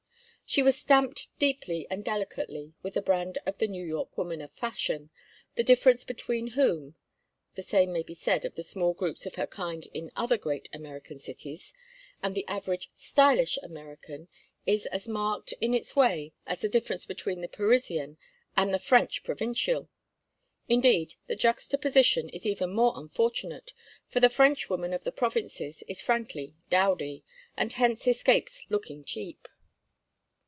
She was stamped deeply and delicately with the brand of the New York woman of fashion, the difference between whom—the same may be said of the small groups of her kind in other great American cities—and the average "stylish" American is as marked in its way as the difference between the Parisian and the French provincial; indeed, the juxtaposition is even more unfortunate, for the Frenchwoman of the provinces is frankly dowdy, and hence escapes looking cheap.